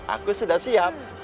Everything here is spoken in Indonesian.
aku sudah siap